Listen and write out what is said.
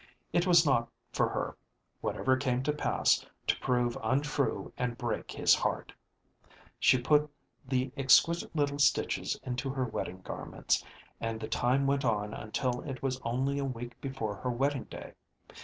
It was not for her, whatever came to pass, to prove untrue and break his heart. She put the exquisite little studies into her wedding garments, and the time went on until it was only a week before her wedding day.